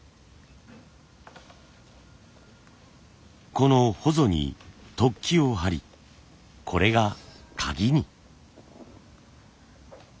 このほぞに突起を貼りこれが鍵に。